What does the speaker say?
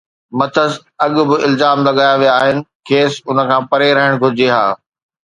مٿس اڳ به الزام لڳايا ويا آهن، کيس ان کان پري رهڻ گهرجي ها